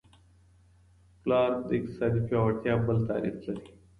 کلارک د اقتصادي پرمختیا بل تعریف لري.